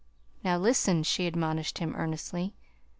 "Now, listen," she admonished him, earnestly.